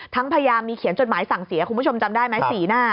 พยายามมีเขียนจดหมายสั่งเสียคุณผู้ชมจำได้ไหมสีหน้า